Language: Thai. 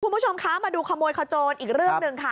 คุณผู้ชมคะมาดูขโมยขโจรอีกเรื่องหนึ่งค่ะ